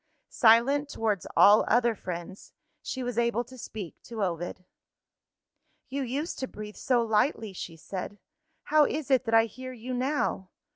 Silent towards all other friends, she was able to speak to Ovid. "You used to breathe so lightly," she said. "How is it that I hear you now.